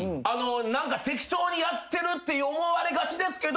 適当にやってるって思われがちですけど。